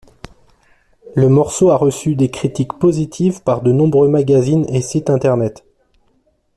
Le morceau a reçu des critiques positives par de nombreux magazines et sites internet.